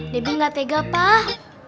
debi gak tega pak